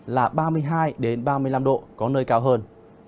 là ba mươi hai ba mươi năm độ có nơi cao hơn